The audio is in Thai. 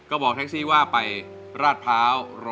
ก็บอกแท็กซี่ว่าไปราดพร้าว๑๐